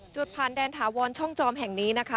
จุดผ่านแดนถาวรช่องจอมแห่งนี้นะคะ